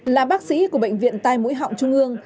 là bác sĩ của bệnh viện tai mũi họng trung ương